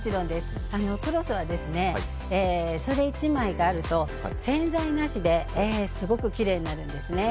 クロスはそれ１枚があると洗剤なしですごくきれいになるんですね。